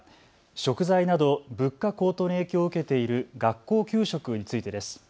食材など物価高騰の影響を受けている学校給食についてです。